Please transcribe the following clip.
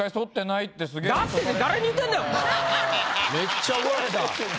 めっちゃ怒られた。